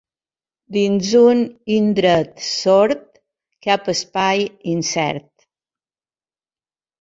Dins d’un indret sord, cap espai incert.